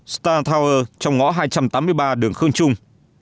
star tower trong ngõ hai trăm tám mươi ba đường khương trung